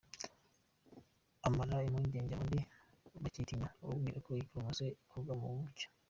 Amara impungenge abandi bacyitinya ababwira ko iyi poromosiyo ikorwa mu mucyo.